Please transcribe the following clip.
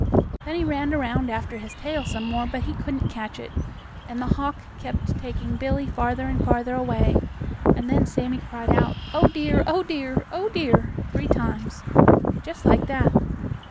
Then he ran around after his tail some more, but he couldn't catch it, and the hawk kept taking Billie farther and farther away, and then Sammie cried out: "Oh, dear! Oh, dear! Oh, dear!" three times, just like that.